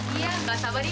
iya enggak sabar ibu